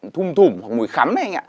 thum thủm hoặc mùi khắm anh ạ